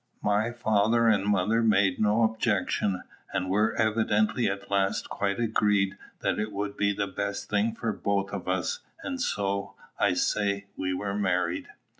My father and mother made no objection, and were evidently at last quite agreed that it would be the best thing for both of us; and so, I say, we were married.